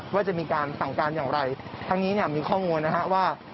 ว่าจะมีการสั่งการอย่างไรทั้งนี้เนี่ยมีข้อมูลนะฮะว่า